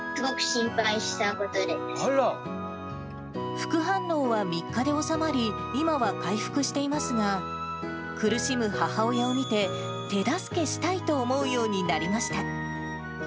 副反応は３日で治まり、今は回復していますが、苦しむ母親を見て、手助けしたいと思うようになりました。